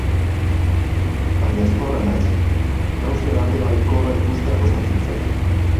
Baina ezkorra naiz, gauzen alde baikorra ikustea kostatzen zait.